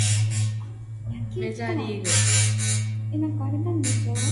빨리 가자.